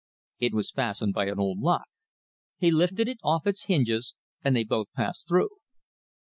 It was fastened by an old lock. He lifted it off its hinges, and they both passed through.